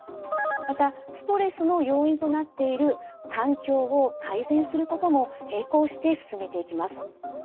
またストレスの要因となっている環境を改善することも並行して進めていきます。